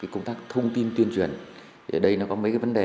công tác thông tin tuyên truyền ở đây có mấy vấn đề